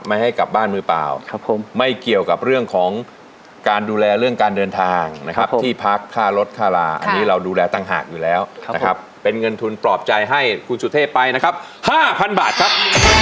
ให้กลับบ้านมือเปล่าครับผมไม่เกี่ยวกับเรื่องของการดูแลเรื่องการเดินทางนะครับที่พักค่ารถค่าลาอันนี้เราดูแลต่างหากอยู่แล้วนะครับเป็นเงินทุนปลอบใจให้คุณสุเทพไปนะครับ๕๐๐บาทครับ